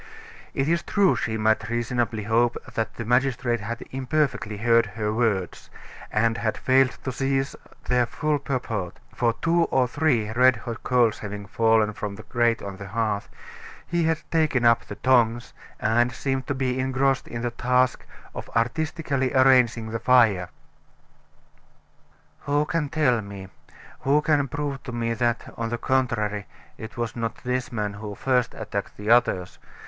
It is true she might reasonably hope, that the magistrate had imperfectly heard her words, and had failed to seize their full purport, for two or three red hot coals having fallen from the grate on the hearth, he had taken up the tongs, and seemed to be engrossed in the task of artistically arranging the fire. "Who can tell me who can prove to me that, on the contrary, it was not this man who first attacked the others?"